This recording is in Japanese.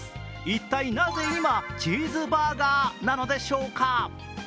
一体なぜ今、チーズバーガーなのでしょうか。